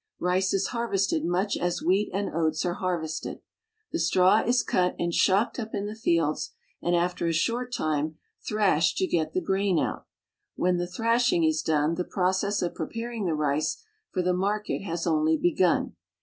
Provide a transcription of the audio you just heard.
Rice is harvested much as wheat and oats are harvested. The straw is cut and shocked up in the fields, and after a short time thrashed to get the grain out. When the thrashing is done the process of preparing the rice for the market has only begun.